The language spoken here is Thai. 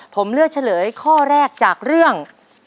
ผมเลือกเฉลยข้อแรกจากเรื่อง